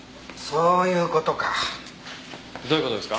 どういう事ですか？